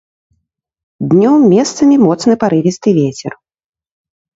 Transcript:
Днём месцамі моцны парывісты вецер.